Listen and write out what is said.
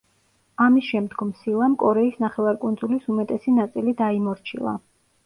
ამის შემდგომ სილამ კორეის ნახევარკუნძულის უმეტესი ნაწილი დაიმორჩილა.